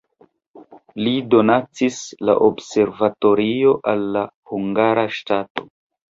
Li donacis la observatorion al la hungara ŝtato.